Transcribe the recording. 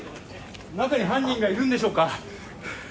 中に犯人がいるんでしょうか。